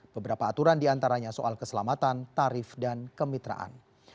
beberapa aturan diantaranya soal keselamatan tarif dan kemitraan